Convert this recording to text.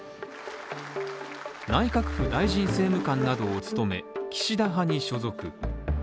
内閣府大臣政務官などを務め、岸田派に所属。